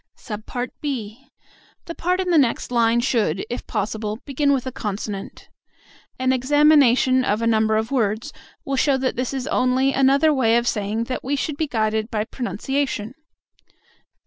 (b) The part in the next line should, if possible, begin with a consonant. An examination of a number of words will show that this is only another way of saying that we should be guided by pronunciation.